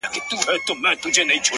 هغه خو بيا و گارې ته ولاړه ده حيرانه-